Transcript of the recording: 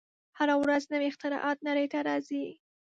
هره ورځ نوې اختراعات نړۍ ته راځي.